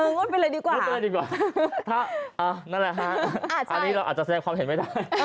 นั่นแหละครับอันนี้เราอาจจะแสดงความเห็นไม่ได้